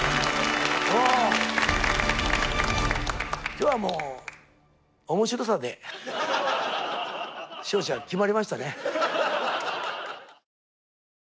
今日はもう面白さで勝者が決まりましたね。